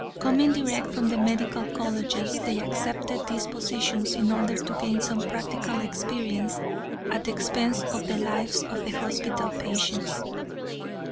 Coming direct from the medical colleges, they accepted these positions in order to gain some practical experience at the expense of the lives of the hospital patients.